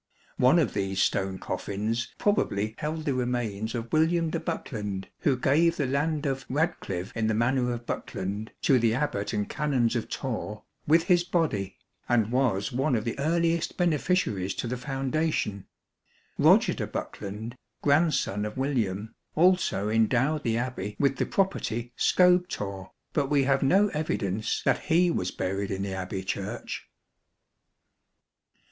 One of these stone coffins probably held the remains of William de Bokelond, who gave the land of " Radeclyve in the Manor of Bokelond " to the Abbat and Canons of Torre " with his body," and was one of the earliest beneficiaries to the foundation. Roger de Bokelond, grandson of William, also endowed the Abbey with the property Scobethorre, but we have no evidence that he was buried in the Abbey Church.